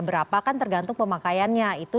berapa kan tergantung pemakaiannya itu